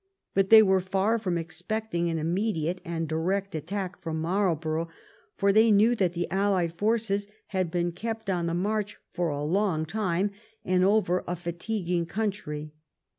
But they were far from expecting an inmiediate and direct at tack from Marlborough, for they knew that the allied forces had been kept on the march for a long time and over a fatiguing country.